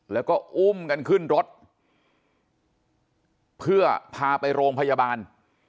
แล้วก็อุ้มกันขึ้นรถเพื่อพาไปโรงพยาบาล